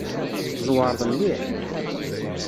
Tzewṛeḍ mliḥ!